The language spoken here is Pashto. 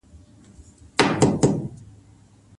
ورزش مو د فشار مخنیوی کوي.